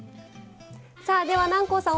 さあでは南光さん